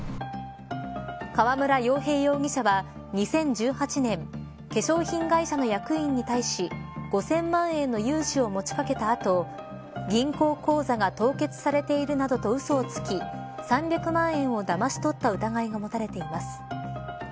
川村洋平容疑者は２０１８年化粧品会社の役員に対し５０００万円の融資を持ちかけた後銀行口座が凍結されているなどとうそをつき３００万円をだまし取った疑いが持たれています。